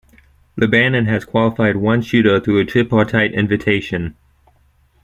Lebanon has qualified one shooter through a tripartite invitation.